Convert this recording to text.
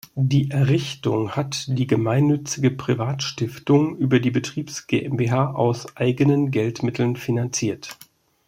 Die Errichtung hat die gemeinnützige Privatstiftung über die Betriebs GmbH aus eigenen Geldmitteln finanziert.